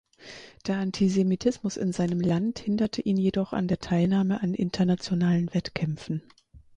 Der Antisemitismus in seinem Land hinderte ihn jedoch an der Teilnahme an internationalen Wettkämpfen.